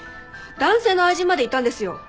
男性の愛人までいたんですよ。